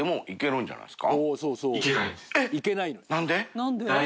何で？